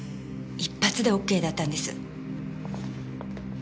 一発でオッケーだったんです。